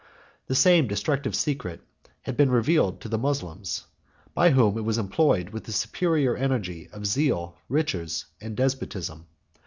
37 The same destructive secret had been revealed to the Moslems; by whom it was employed with the superior energy of zeal, riches, and despotism.